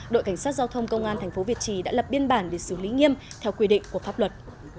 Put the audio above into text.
đội cảnh sát giao thông công an tp việt trì đã lập biên bản để xử lý nghiêm theo quy định của pháp luật